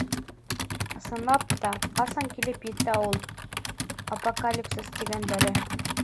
Ысынлап та, ҡасан килеп етә әле ул апокалипсис тигәндәре.